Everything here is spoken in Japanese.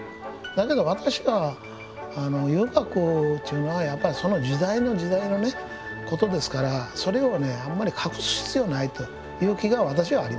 だけど私は遊郭っちゅうのはやっぱその時代の時代のねことですからそれをねあんまり隠す必要ないという気が私はあります。